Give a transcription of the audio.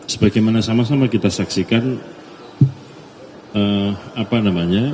sebagaimana sama sama kita saksikan